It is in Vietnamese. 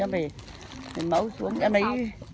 em phải mẫu xuống em lấy